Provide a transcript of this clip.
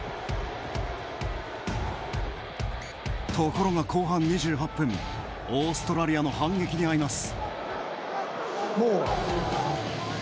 ところが、後半２８分オーストラリアの反撃にあいます。